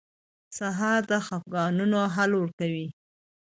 سهار د خفګانونو حل ورکوي.